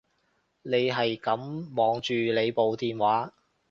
你係噉望住你部電話